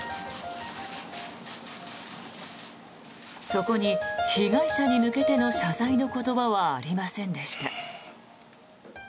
そこに被害者に向けての謝罪の言葉はありませんでした。